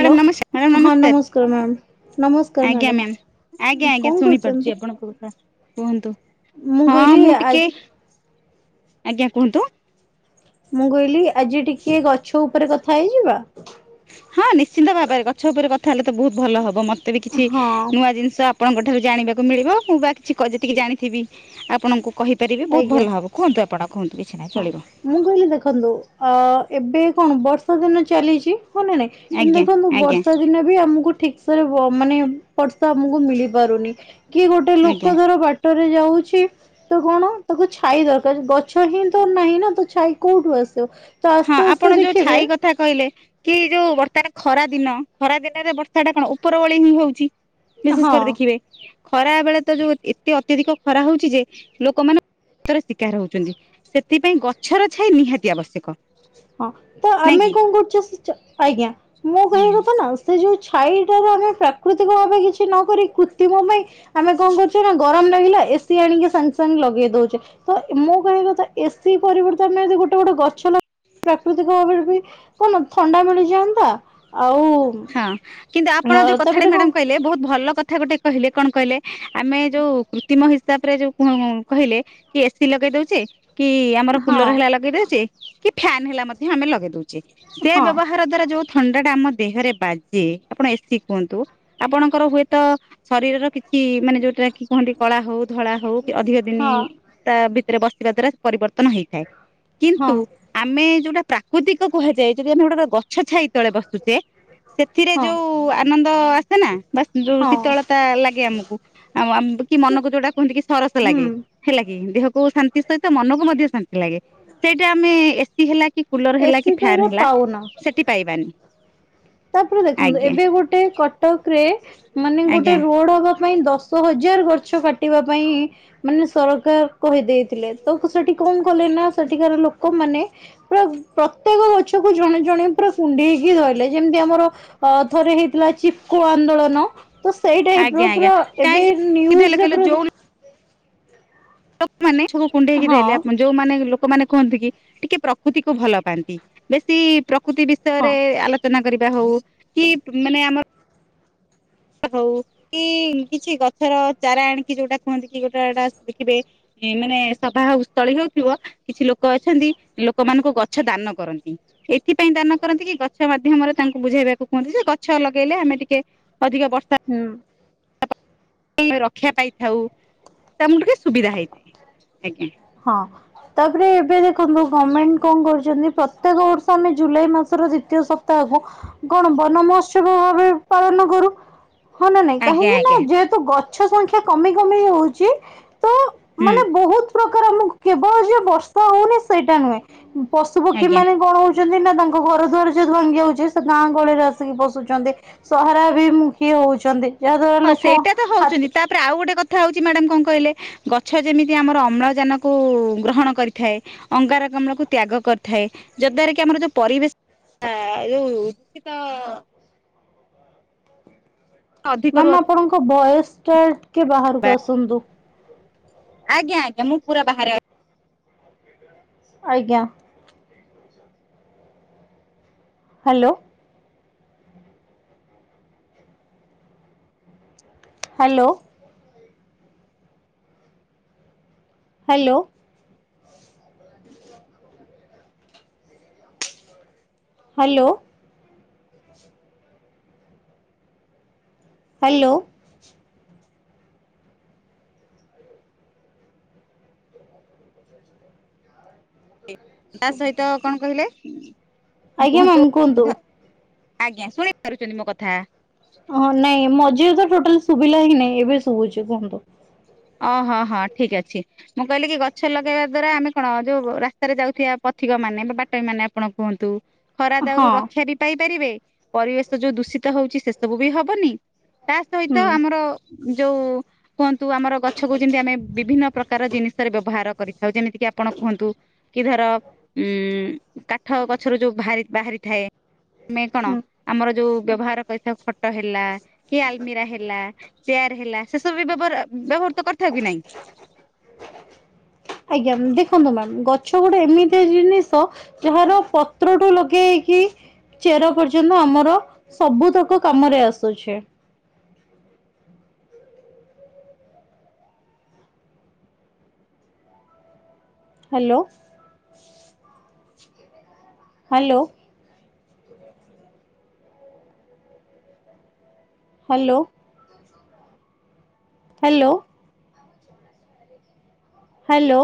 Hello ନମସ୍କ madam ହଁ ନମସ୍କାର ma'am ନମସ୍କାର ନମସ୍କାର ଆଜ୍ଞା ମ୍ୟାଡ଼ାମ ମ୍ୟାମ୍। ଆଜ୍ଞା ଆଜ୍ଞା କଣ ଶୁଣି ପାରୁଛି କରୁଛନ୍ତି ଆପଣ କୁହ କୁହନ୍ତୁ ହଁ କହିଲି ମୁଁ ଆ ଟିକେ ଆଜ୍ଞା କୁହନ୍ତୁ ମୁଁ କହିଲି ଆଜି ଟିକେ ଗଛ ଉପରେ କଥା ହେଇଯିବା। ହଁ ନିଶ୍ଚିନ୍ତ ଭାବରେ ଗଛ ଉପରେ କଥା ହେଲେ ତ ବହୁତ ଭଲ ହବ ମତେ ବି କିଛି ହଁ ନୂଆ ଜିନିଷ ଆପଣଙ୍କ ଠାରୁ ଜାଣିବାକୁ ମିଳିବ ମୁଁ ବା କିଛି ଯେତିକି ଜାଣିଥିବି ଆପଣଙ୍କୁ କହିପାରିବି ବହୁତ ଆଜ୍ଞା ଭଲ ହବ। କୁହନ୍ତୁ ଆପଣ କୁହନ୍ତୁ କିଛିନାହିଁ ହଁ ଚଳିବ। ମୁଁ କହିଲି ଦେଖନ୍ତୁ ଅ ଏବେ କଣ ବର୍ଷା ଦିନ ଚାଲିଛି ହଁ ନା ନାଇଁ କିନ୍ତୁ ଆଜ୍ଞା ଦେଖନ୍ତୁ ଆଜ୍ଞା ବର୍ଷା ଦିନ ଆମକୁ ଠିକସେରେ ମାନେ ବର୍ଷା ଆମକୁ ମିଳି ପାରୁନି କି ଗୋଟେ ଆଜ୍ଞା ଲୋକ ଧର ବା ଟରେ ଯାଉଛି ତ କଣ ତାକୁ ଛାଇ ଦରକାର ଗଛ ହିଁ ତ ନାହିଁ ନା ତ ଛାଇ କୋଉଠୁ ଆସିବ। ତ ହଁ ଆସ୍ତେ ଆସ୍ତେ ଆପଣ ଯୋଉ ଦେଖିବେ ଛାଇ କ ଥା କହିଲେ କି ଯୋଉ ବର୍ଷାଟା ଖରା ଦିନ ଖରା ଦିନରେ ବର୍ଷା ଟା କଣ ଉପର ଓଳିହିଁ ହଉଛି। ବିଶେଷ ହଁ କରି ଦେଖିବେ। ଖରାବେଳେ ତ ଯୋଉ ଏତେ ଅତ୍ୟଧିକ ଖରା ହଉଛି ଯେ ଲୋକମାନେ [unintelligible] ଶିକାର ହଉଛନ୍ତି। ସେଥିପାଇଁ ଗଛର ଛାଇ ନିହାତି ଆବଶ୍ୟକ। ହଁ ତ ନାଇଁ ଆମେ କି? କଣ କରୁଚୁ ଆଜ୍ଞା ମୁଁ କହିବା କଥା ନା ସେ ଯୋଉ ଛାଇଟାରୁ ଆମେ ପ୍ରାକୃତିକ ଭାବେ କିଛି ନକରି କୁତ୍ରିମ ପାଇଁ ଆମେ କଣ କରୁଚେ ନା ଗରମ ଲାଗିଲା ଏସିି ଆଣିକି ସାଙ୍ଗେ ସାଙ୍ଗେ ଲଗେଇ ଦଉଚେ। ତ ମୁଁ କହିବା କଥା ଏସି ପରିବ୍ରତେଆମେ ଯଦି ଗୋଟେ ଗୋଟେ ଗଛ ଲଗେ ପ୍ରାକୃତିକ ଭାବରେ ବି କଣ ଥଣ୍ଡା ମିଳିଯାଆନ୍ତା ଆଉ ହଁ କିନ୍ତୁ ଆପଣ ଅ ଯୋଉ କଥାଟା ତାପରେ କଣ ମ୍ୟାଡାମ କହିଲେ ବହୁତ ଭଲ କଥା ଗୋଟେ କହିଲେ କଣ କହିଲେ ଆମେ ଯୋଉ କୁତ୍ରିମ ହିସାବରେ ଯୋଉ କହିଲେ। କି ଏସିି ଲଗେଇ ଦଉଚି କି ଆମର ହଁ କୁଲର ହେଲା ଲଗେଇ ଦଉଚି ଫ୍ୟାାନ ହେଲା ମଧ୍ୟ ଆମେ ଲଗେଇ ଦଉଚି ସେ ହଁ ବ୍ୟବହାର ଦ୍ଵାରା ଯୋଉ। ଥଣ୍ଡା ଟା ଆମ ଦେହରେ ବାଜେ ଆପଣ ଏସିି କୁହନ୍ତୁ। ଆପଣଙ୍କର ହୁଏତ ଶରୀରର କିଛି ମାନେ ଯୋଉଟା କି କୁହନ୍ତି କଳା ହଉ ଧଳା ହଉ କି ଅଧିକ ଦିନି ହଁ ତା ଭିତରେ ବସିବା ଦ୍ଵାରା ପରିବର୍ତ୍ତନ ହେଇଛି। ଥାଏ ହଁ କିନ୍ତୁ ଆମେ ଯୋଉଟା ପ୍ରାକୃତିକ କୁହାଯାଏ ଯଦି ଆମେ ଗୋଟେ ଗଛଛାଇ ତଳେ ବସୁଛେ। ସେଥିରେ ହଁ ଯୋଉ ଆନନ୍ଦ ଆସେ ନା ବା ଯୋଉ ହଁ। ଶୀତଳତା ଲାଗେ ଆମକୁ। ଆଉ କି ମନକୁ ଯୋଉଟା କୁହନ୍ତି କି ସରସ ହୁଁ ଲାଗେ। ହେଲା କି ଦେହକୁ ଶାନ୍ତି ସହିତ ମନକୁ ମଧ୍ୟ ଶାନ୍ତି ଲାଗେ। ସେଇଟା ଆମେ ଏସି ହେଲା କି କୁଲର ହେଲା ଏସି କି ତ ଏରା ଫ୍ୟାନ ହେଲା ପାଉନା। ସେଠି ପାଇବାନି। ତାପରେ ଦେଖନ୍ତୁ ଆଜ୍ଞା ଏବେ ଗୋଟେ କଟକରେ ମାନେ ଗୋଟେ ଆଜ୍ଞା ରୋଡ ହବା ପାଇଁ ଦଶ ଦଶହଜାର ଗଛ କାଟିବା ପାଇଁ ମାନେ ସରକାର କହିଦେଇଥିଲେ ତ ସେଠି କଣ କଲେ ନା ସେଠିକାର ଲୋକମାନେେ ପୁରା ପ୍ରତ୍ୟେକ ଗଛକୁ ଜଣେ ଜଣେ ପୁରା କୁଣ୍ଢେଇକି ଧଇଲେ। ଯେମତି ଆମର ଅ ଥରେ ହେଇଥିଲା ଚିପ୍କୋ ଆନ୍ଦୋଳନ। ତ ସେଇ ଟାଏଇପ୍ ଆଜ୍ଞା ର ଆଜ୍ଞା ପୁରା ଏବେ କାହିଁକି କହିଲେ ନ୍ୟୁଜରେ କହିଲେ ପୁରା ଲୋକମାନେ ସବୁ କୁଣ୍ଡେଇକି ହଁ ଦେଲେ ଆକ୍ ମନ୍। ଯୋଉମାନେ ଲୋକମାନେ କୁହନ୍ତି କି ଟିକେ ପ୍ରକୃତିକୁୁ ଭଲ ପାଆନ୍ତି ବେଶୀ ପ୍ରକୃତି ବି ହଁ ବିଷୟରେ ଆଲୋଚନା କରିବା ହଉ କି ମାନେ ଆମର ହଉ କି କିଛି ଗଛର ଚାରା ଆଣିକି ଯୋଉଟା କୁହନ୍ତି କି ଗୋଟା ଟା ଦେଖିବେ। ମାନେ ସଭାଉ ସ୍ଥଳୀ ହଉଥିବ। କିଛି ଲୋକ ଅଛନ୍ତି ଲୋକ ମାନଙ୍କୁ ଗଛ ଦାନ କରନ୍ତି। ଏଇଥିପାଇଁ ଦାନ କରନ୍ତି କି ଗଛ ମାଧ୍ୟମରେ ତାଙ୍କୁ ବୁଝେଇ ବାକୁ କୁହନ୍ତି ଯେ ଗଛ ଲଗେଇଲେ ଆମେ ଟିକେ ଅଧିକା ବର୍ଷା ହୁଁ। ରକ୍ଷା ପାଇଥାଉ ତ ଆମକୁ ଟିକେ ସୁବିଧା ହେଇ ଆଜ୍ଞା। ହଁ, ତାପରେ ଏବେ ଦେଖନ୍ତୁ ଗମେଣ୍ଟ କଣ କରୁଛନ୍ତି ପ୍ରତ୍ୟେକ ବର୍ଷ ଆମେ ଜୁଲାଇ ମାସରଦି ତୀୟ ସପ୍ତାହକୁ କଣ ବନ ମହୋତ୍ସବ ଭାବେ ପାଳନ କରୁ। ହଁ, ନା ନାଇଁ ଆଜ୍ଞା କାହିଁକି ନା ଆଜ୍ଞା। ଯେହେ ତୁ ଗଛ ସଂଖ୍ୟା କମି, କମି ହଉଛି। ତ ହୁଁ। ମାନେ ବହୁତ ପ୍ରକାର ଆମକୁ କେବଳ ଯେ ବର୍ଷା ହଉନି ସେଇଟା ନୁହେଁ ପଶୁପକ୍ଷୀ ଆଜ୍ଞା। ମାନେ କଣ ହ ଯଦି ନା ତାଙ୍କ ଘର ଦୁଆର ଯେହେତୁ ଭାଙ୍ଗି ଯାଉଚି ସେ ଗାଁ ଗହଳିରେ ଆସିକି ପଶୁଚନ୍ତି। ସହରା ଭିମୁଖୀ ହେଉଚନ୍ତି ଯାହା ଦ୍ୱାରା ଲୋକ ହାତୀ ପ୍ରା ଆଉ ଗୋଟେ କଥା ହଉଛି ମ୍ୟାଡ଼ାମ କଣ କହିଲେ। ଗଛ ଯେମିତି ଆମର ଅମ୍ଳଜାନ କୁ ଗ୍ରହଣ କରିଥାଏ। ଅଙ୍ଗାର କାମ୍ଳକୁ ତ୍ୟାଗ କରିଥାଏ, ଯଦ୍ ଦ୍ଵାରା କି ଆମର ଯୋଉ ପରିବେଶ ହା ଉ ଖିତ। ଅଧିକରୁ ମ୍ୟାମ୍ ଆପଣଙ୍କ ଭ ଏସ୍ଟା ଟିକେ ଅଧିକ ବାହାରକୁ ଆସନ୍ତୁ। ଆଜ୍ଞା, ଆଜ୍ଞା ମୁ ପୁର ବାହାରେ ଅଛି। ଆଜ୍ଞା। Hello. Hello. Hello. [unintelligible] Hello. Hello. ହୁଏ ତା ସହିତ କଣ କହିଲେ ଉଁ। ଆଜ୍ଞା କୁହନ୍ତୁ, ମ୍ୟାମ୍ ଧ ଆଜ୍ଞା ଶୁଣି ପାରୁଛନ୍ତି ମୋ କଥା। ହଁ ନାଇଁ ମଝି ରେ ତ ଟୋଟାଲ୍ ଶୁଭିଲା ହିଁ ନାଇଁ ଏବେ ଶୁଭୁଛି କୁହନ୍ତୁ। ଅଁ, ହଁ, ହଁ, ଠିକ୍ ଅଛି। ମୁଁ କହିଲି କି ଗଛ ଲଗେଇବା ଦ୍ଵାରା ଆମେ କଣ ଯୋଉ ରାସ୍ତାରେ ଯାଉଥିବା ପଥିକ ମାନେ ବା ବାଟୋଇ ମାନେ ଆପଣ କୁହନ୍ତୁ। ଖରା ଦାଉରୁ ହଁ ରକ୍ଷା ବି ପାଇ ପାରିବେ ପରିବେଶ ଯୋଉ ଦୂଷିତ ହଉଛି ସେ ସବୁ ବି ହବନି। ତା ସହିତ ହୁଁ ଆମର ଯୋଉ କୁହନ୍ତୁ ଆମର ଗଛକୁ ଯେମିତି ଆମେ ବିଭିନ୍ନ ପ୍ରକାର ଜିନିଷରେ ବ୍ୟବହାର କରିଥାଉ ଯେମିତି କିି ଆପଣ କୁହନ୍ତୁ। କି ଧର ଉଁ କାଠ ଗଛରୁ ଯୋଉ ଭାରି ବାହାରି ଥାଏ। ଆମେ କଣ ହୁଁ ଆମର ଯୋଉ ବ୍ୟବହାର କରିଥାଉ, ଖ ଖଟ ହେଲା, କି ଆଲ୍ ମିରା ହେଲା, ଚେୟାର ହେଲା, ସେ ସବୁ ବ୍ୟବହାର ଆ ବ୍ୟବହୃତ କରିଥାଉ କି ନାହିଁ। ଆଜ୍ଞା, ମ୍ୟାମ୍ ଦେଖନ୍ତୁ ମ୍ୟାମ୍ ଗଛ ଗୋଟେ ଏମିତି ଆ ଜିନିଷ ଯାହାର ପତ୍ରଠୁ ଲଗେଇକି ଚେର ପର୍ଯ୍ୟନ୍ତ ଆମର ସବୁତକ କାମରେ ଆସୁଛି। Hello. Hello. Hello. Hello. Hello.